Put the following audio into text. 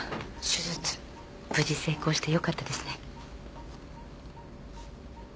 手術無事成功してよかったですね。